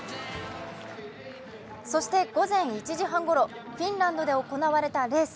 そして午前１時半ごろ、フィンランドで行われたレース。